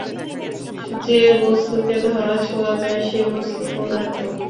যে বস্তুকে ধরা-ছোঁয়া যায় সে বস্তু পদার্থ।